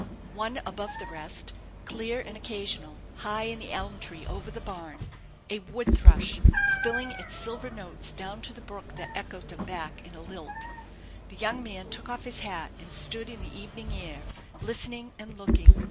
One above the rest, clear and occasional, high in the elm tree over the barn, THE ENCHANTED BARN 45 a wood thrush spilling its silver notes down to the brook that echoed them back in a lilt The young man took off his hat and stood in the evening air, listening and looking.